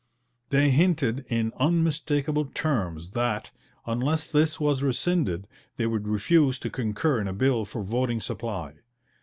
They hinted in unmistakable terms that, unless this was rescinded, they would refuse to concur in a bill for voting supply.